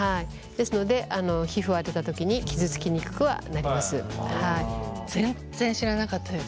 ですので皮膚を当てた時に傷つきにくくはなります。